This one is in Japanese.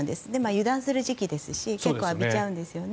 油断する時期ですし結構、浴びちゃうんですよね。